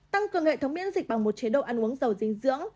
tăng cường hệ thống miễn dịch bằng một chế độ ăn uống dầu dinh dưỡng